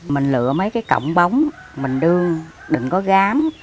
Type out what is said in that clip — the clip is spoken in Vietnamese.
mình lựa mấy cái cọng bóng mình đưa đừng có gám